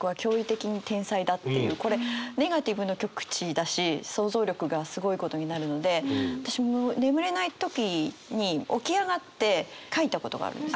これネガティブの極地だし想像力がすごいことになるので私もう眠れない時に起き上がって書いたことがあるんです。